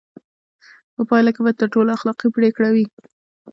په پایله کې به تر ټولو اخلاقي پرېکړه وي.